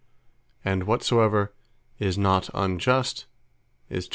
And whatsoever is not Unjust, is Just.